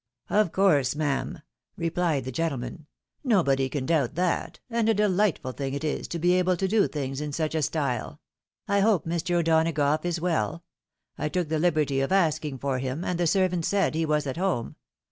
" Of course, ma'am," rephed the gentleman, " nobody can doubt that, and a delightful thing it is to be able to do things in such a style. I hope Mr. O'Donagough is well ? I took the liberty of asking for him, and the servant said he was at home.